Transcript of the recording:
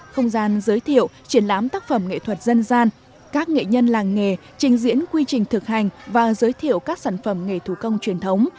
không gian giới thiệu triển lãm tác phẩm nghệ thuật dân gian các nghệ nhân làng nghề trình diễn quy trình thực hành và giới thiệu các sản phẩm nghề thủ công truyền thống